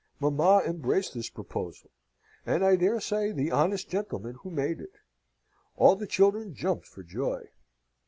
Mamma embraced this proposal, and I dare say the honest gentleman who made it. All the children jumped for joy.